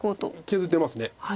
削ってます。